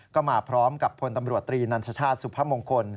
ก็มาพร้อมกับพลตำรวจตรีนันชชาติสุพมงคล